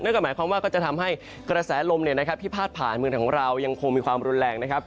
ก็หมายความว่าก็จะทำให้กระแสลมที่พาดผ่านเมืองของเรายังคงมีความรุนแรงนะครับ